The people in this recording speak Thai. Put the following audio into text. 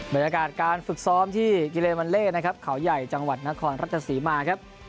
บรรยากาศการฝึกซ้อมที่กิเลวัลเล่นะครับเขาใหญ่จังหวัดนครราชสีมาครับ